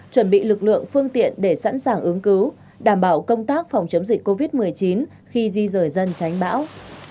chuẩn bị lực lượng phương tiện để sẵn sàng ứng cứu đảm bảo công tác phòng chống dịch covid một mươi chín khi di rời dân tránh bão